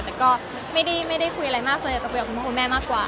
แต่ก็ไม่ได้คุยอะไรมากส่วนใหญ่จะคุยกับคุณพ่อคุณแม่มากกว่า